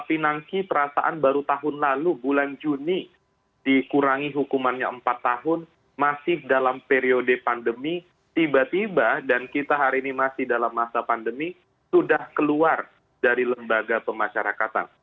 pinangki perasaan baru tahun lalu bulan juni dikurangi hukumannya empat tahun masih dalam periode pandemi tiba tiba dan kita hari ini masih dalam masa pandemi sudah keluar dari lembaga pemasyarakatan